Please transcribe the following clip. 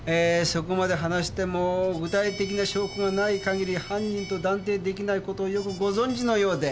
そこまで話しても具体的な証拠がないかぎり犯人と断定できないことをよくご存じのようで。